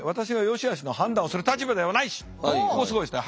ここすごいですね。